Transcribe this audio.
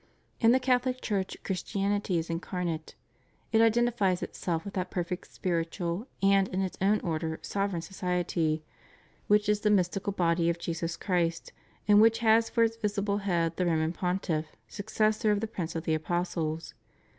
In the Catholic Church Christianity is incarnate. It identifies itself with that perfect, spiritual, and, in its own order, sovereign society, which is the mystical body of Jesus Christ and which has for its visible head the Roman Pontiff, successor of the Prince of the apostles.